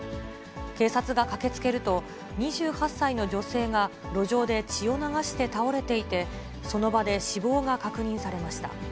警察が駆けつけると、２８歳の女性が路上で血を流して倒れていて、その場で死亡が確認されました。